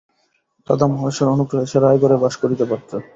দাদা মহাশয়ের অনুগ্রহে সে রায়গড়ে বাস করিতে পাইত।